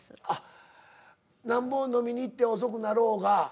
あっなんぼ飲みに行って遅くなろうが。